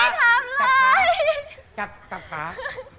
ไม่ได้ทำเลย